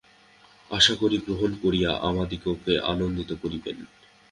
আশা করি গ্রহণ করিয়া আমাদিগকে আনন্দিত করিবেন।